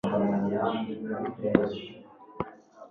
Paraguay